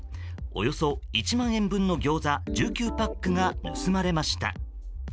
およそ１万円分のギョーザ１９パックが盗まれました。